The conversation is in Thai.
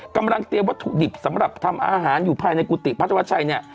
กำลังเตรียมวัตถุดิบสำหรับทำอาหารอยู่ภายในกุฏิพระธวัชชัยเนี่ย